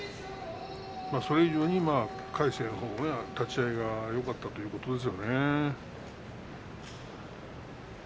それ以上に魁聖のほうが立ち合いがよかったということですよね。